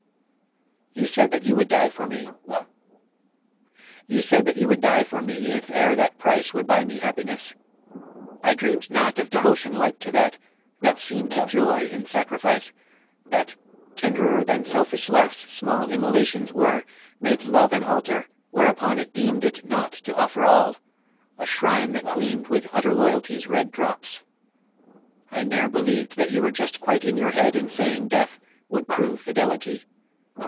YOU SAID THAT YOU WOULD DIE FOR ME You said that you would die for me, if e'er That price would buy me happiness. I dreamed Not of devotion like to that, that seemed To joy in sacrifice; that, tenderer Than selfish Life's small immolations were, Made Love an altar whereupon it deemed It naught to offer all; a shrine that gleamed With utter loyalty's red drops. I ne'er Believed that you were just quite in your head In saying death would prove Fidelity.